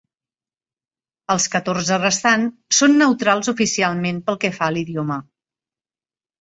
Els catorze restants són neutrals oficialment pel que fa a l'idioma.